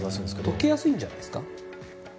溶けやすいんじゃないですか？